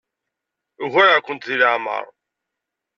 Ugareɣ-kent deg leɛmeṛ.